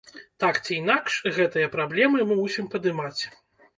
Так ці інакш, гэтыя праблемы мы мусім падымаць.